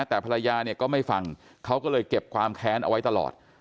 แต่ภรรยาเนี่ยก็ไม่ฟังเขาก็เลยเก็บความแค้นเอาไว้ตลอด